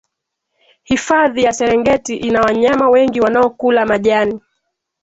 hifadhi ya serengeti ina wanyama wengi wanaokula majani